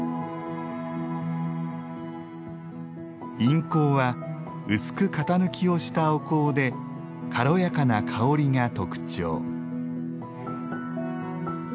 印香は薄く型抜きをしたお香で軽やかな香りが特徴。